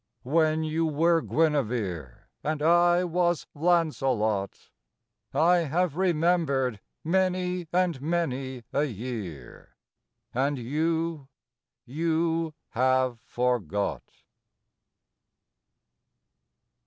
When you were Guinevere, And I was Launcelot.... I have remembered many and many a year, And you you have forgot.